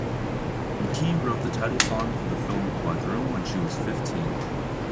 McKee wrote the title song for the film "Quadroon" when she was fifteen.